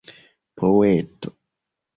poeto